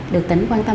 được tỉnh quan tâm